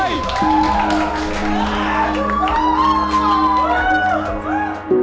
อย่าไป